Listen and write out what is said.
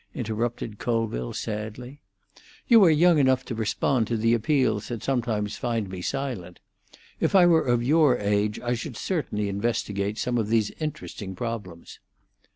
interrupted Colville sadly. "You are young enough to respond to the appeals that sometimes find me silent. If I were of your age I should certainly investigate some of these interesting problems."